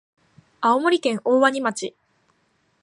青森県大鰐町